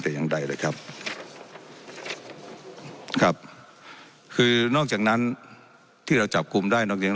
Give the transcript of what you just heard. แต่อย่างใดเลยครับครับคือนอกจากนั้นที่เราจับกลุ่มได้นอกจาก